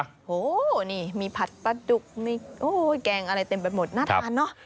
โอ้โหนี่มีผัดปลาดุกมีโอ้ยแกงอะไรเต็มไปหมดน่าทานเนอะ